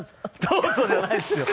「どうぞ」じゃないですよ。